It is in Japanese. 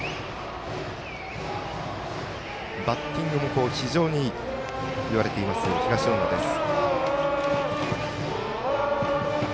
バッティングも非常にいいといわれている東恩納です。